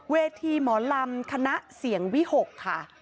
เวทีหมอลำคณะเสียงวิหกค่ะ